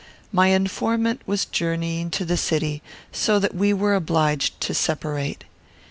My informant was journeying to the city, so that we were obliged to separate.